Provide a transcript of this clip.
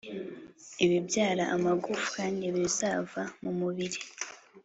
ibibyara amagufwa ntibizava mu mubiri.